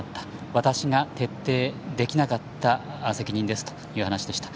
私が徹底できなかった責任ですという話でした。